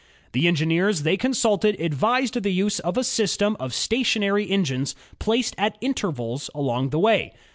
The engineers they consulted advised the use of a system of stationary engines placed at intervals along the way.